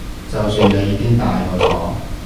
就算你已經大個咗